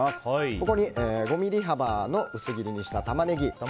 ここに５ｍｍ幅の薄切りにしたタマネギ。